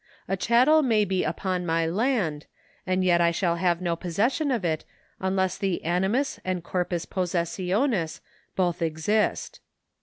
A chattel may be upon my land, and yet I shall have no posses sion of it unless the animus and corpus possessionis both exist.